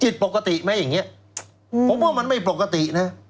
ผิดปกติไหมอย่างนี้ผมว่ามันไม่ปกตินะ